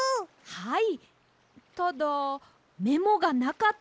はい。